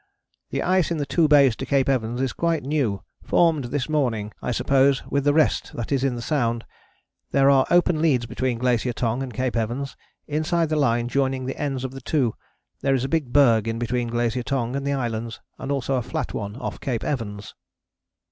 "The ice in the two bays to Cape Evans is quite new formed this morning, I suppose, with the rest that is in the Sound. There are open leads between Glacier Tongue and Cape Evans, inside the line joining the ends of the two. There is a big berg in between Glacier Tongue and the Islands, and also a flat one off Cape Evans."